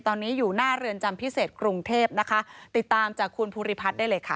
ตอนนี้อยู่หน้าเรือนจำพิเศษกรุงเทพนะคะติดตามจากคุณภูริพัฒน์ได้เลยค่ะ